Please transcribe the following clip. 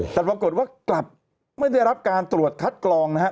แต่ปรากฏว่ากลับไม่ได้รับการตรวจคัดกรองนะฮะ